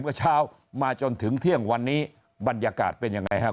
เมื่อเช้ามาจนถึงเที่ยงวันนี้บรรยากาศเป็นยังไงครับ